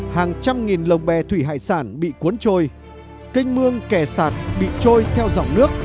hàng trăm nghìn lồng bè thủy hải sản bị cuốn trôi kênh mương kẻ sạt bị trôi theo dòng nước